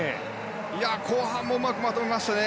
後半もうまくまとめましたね。